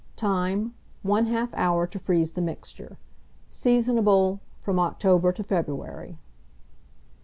Time. 1/2 hour to freeze the mixture. Seasonable from October to February.